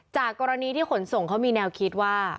จากกรณีที่ขนส่งเขามีแนวคิดว่า